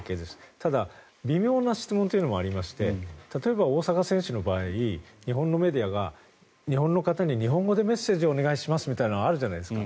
ただ、微妙な質問というのもありまして例えば大坂選手の場合日本のメディアが日本の方に日本語でメッセージをお願いしますみたいなのがあるじゃないですか。